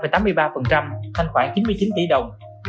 thanh khoảng chín mươi chín tỷ đồng